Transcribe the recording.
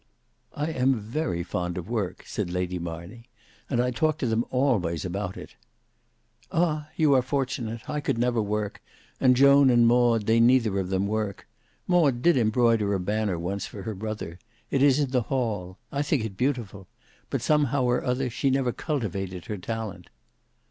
"I am very fond of work," said Lady Marney, "and I talk to them always about it." "Ah! you are fortunate, I never could work; and Joan and Maud, they neither of them work. Maud did embroider a banner once for her brother; it is in the hail. I think it beautiful; but somehow or other she never cultivated her talent."